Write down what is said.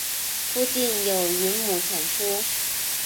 附近有云母产出。